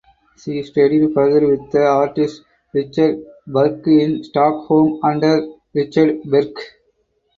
She studied further with the artist Richard Burgh in Stockholm under Richard Bergh.